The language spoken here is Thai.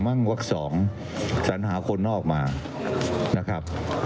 ่งวัก๒สัญหาคนนอกมานะครับ